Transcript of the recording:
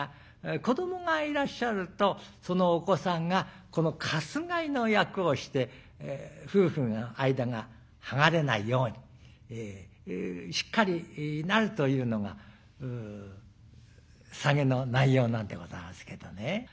子どもがいらっしゃるとそのお子さんがこの鎹の役をして夫婦の間が剥がれないようにしっかりなるというのがサゲの内容なんでございますけどね。